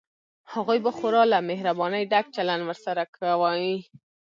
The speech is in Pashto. هغوی به خورا له مهربانۍ ډک چلند ورسره کوي.